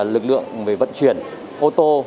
lực lượng về vận chuyển ô tô